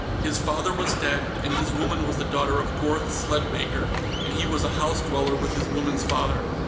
His father was dead, and his woman was the daughter of Gorth Sledmaker, and he was a house dweller with his woman's father.